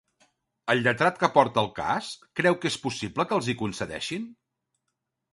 El lletrat que porta el cas, creu que és possible que els hi concedeixin?